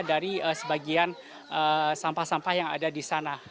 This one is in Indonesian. dari sebagian sampah sampah yang ada di sana